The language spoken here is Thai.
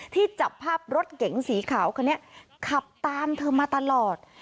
จับภาพรถเก๋งสีขาวคนนี้ขับตามเธอมาตลอด